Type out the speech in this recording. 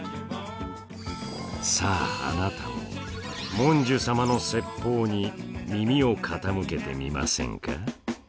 さああなたもモンジュ様の説法に耳を傾けてみませんか。